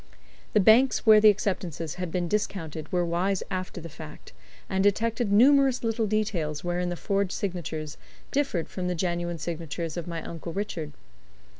The banks where the acceptances had been discounted were wise after the fact, and detected numerous little details wherein the forged signatures differed from the genuine signatures of my Uncle Richard.